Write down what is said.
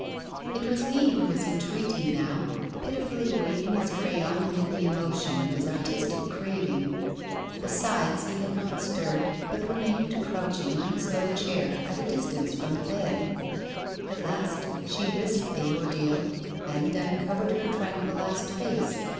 It was he who was entreating now, pitifully waving his crayon amid the emotion of his artistic craving. Besides, he had not stirred, but remained crouching on his low chair, at a distance from the bed. At last she risked the ordeal, and uncovered her tranquillised face.